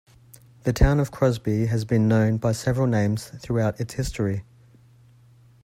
The town of Crosby has been known by several names throughout its history.